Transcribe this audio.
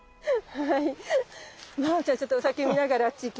はい。